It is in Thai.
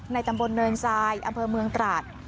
ตำบลเนินทรายอำเภอเมืองตราด